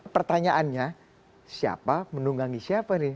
pertanyaannya siapa menunggangi siapa nih